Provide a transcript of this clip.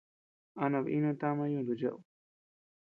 ¿A nabinu tama yuntu cheʼed?